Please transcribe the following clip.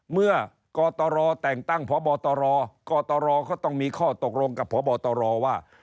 กตรแต่งตั้งพบตรกตรเขาต้องมีข้อตกลงกับพบตรว่า